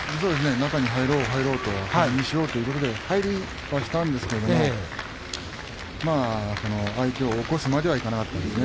中に入ろう入ろうということで入りはしたんですけれど相手を起こすまではいかなかったですね。